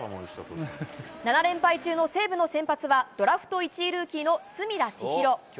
７連敗中の西武の先発は、ドラフト１位ルーキーの隅田知一郎。